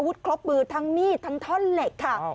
วุฒิครอบบืนทางมีดทางท่อนเเหล็กค่ะ